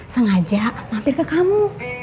sengaja mampir ke kamu